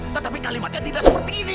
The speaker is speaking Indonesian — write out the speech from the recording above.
tetapi kalimatnya tidak seperti ini